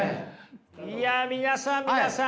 いや皆さん皆さん。